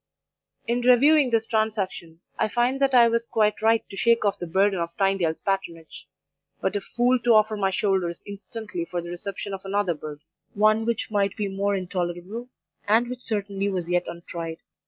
In reviewing this transaction, I find that I was quite right to shake off the burden of Tynedale's patronage, but a fool to offer my shoulders instantly for the reception of another burden one which might be more intolerable, and which certainly was yet untried.